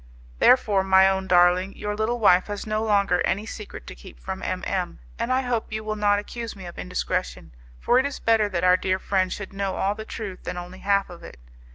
Therefore, my own darling, your little wife has no longer any secret to keep from M M , and I hope you will not accuse me of indiscretion, for it is better that our dear friend should know all the truth than only half of it.